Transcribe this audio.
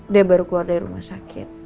dia baru keluar dari rumah sakit